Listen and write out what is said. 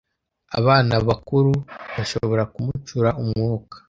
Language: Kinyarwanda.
abana bakuru bashobora kumucura umwuka,